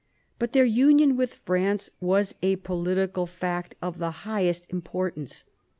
But their union with France was a political fact of the highest importance.